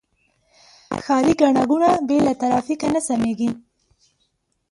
ښاري ګڼه ګوڼه بې له ترافیکه نه سمېږي.